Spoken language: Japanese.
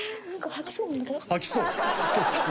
吐きそう？